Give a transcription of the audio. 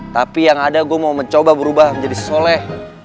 tapi yang ada gue mau mencoba berubah menjadi soleh